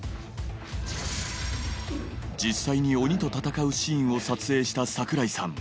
実際に鬼と戦うシーンを撮影した櫻井さん